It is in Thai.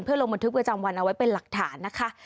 ลงบันทึกประจำวันเอาไว้เป็นหลักฐานนะคะ